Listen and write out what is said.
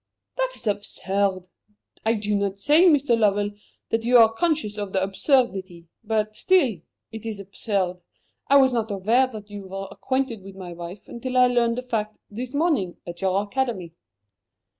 "That is absurd. I do not say, Mr. Lovell, that you are conscious of the absurdity. But still it is absurd I was not aware that you were acquainted with my wife until I learned the fact, this morning, at your Academy."